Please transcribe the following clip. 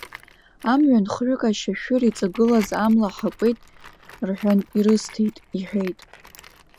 Амҩан хҩык ашьашәыр иҵагылаз амла ҳакуеит рҳәан ирысҭеит, — иҳәеит.